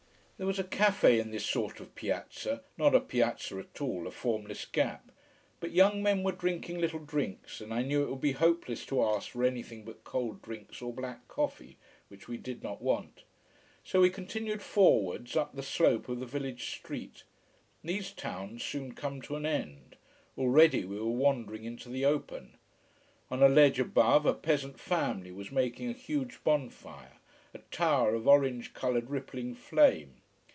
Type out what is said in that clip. There was a café in this sort of piazza not a piazza at all, a formless gap. But young men were drinking little drinks, and I knew it would be hopeless to ask for anything but cold drinks or black coffee: which we did not want. So we continued forwards, up the slope of the village street. These towns soon come to an end. Already we were wandering into the open. On a ledge above, a peasant family was making a huge bonfire, a tower of orange coloured, rippling flame.